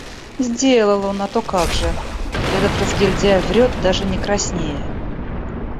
Сделал он, а то как же. Этот разгильдяй врёт, даже не краснея.